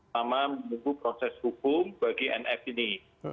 sama menunggu proses hukum bagi nf ini